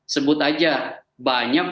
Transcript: sebut aja banyak